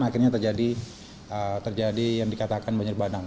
akhirnya terjadi yang dikatakan banjir bandang